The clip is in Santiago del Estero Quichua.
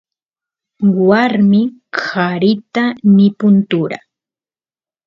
warmi qarita nipun tura